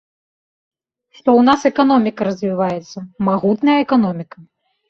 Што ў нас эканоміка развіваецца, магутная эканоміка!